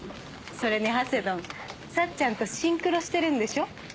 それにハセドン幸ちゃんとシンクロしてるんでしょ？